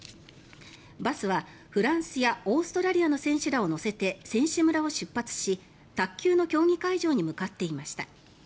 バスはフランスやオーストラリアの選手らを乗せて選手村を出発し卓球の競技会場に向かっていました。